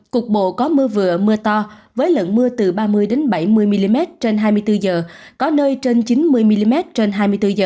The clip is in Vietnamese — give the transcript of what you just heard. cục bộ có mưa vừa mưa to với lượng mưa từ ba mươi bảy mươi mm trên hai mươi bốn h có nơi trên chín mươi mm trên hai mươi bốn h